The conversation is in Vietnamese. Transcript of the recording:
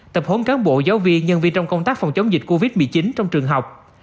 tập hốn cán bộ giáo viên nhân viên trong công tác phòng chống dịch covid một mươi chín trong trường học